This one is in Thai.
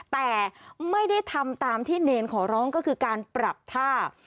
แต่ไม่ได้ทำตามที่เนรขอร้องก็คือการปรับท่า